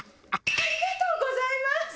ありがとうございます！